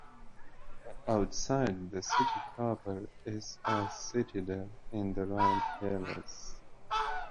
Outside the city proper is a citadel and the royal palace.